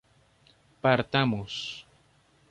partamos